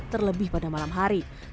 terlebih pada malam hari